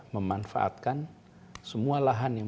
memanfaatkan semua lahan yang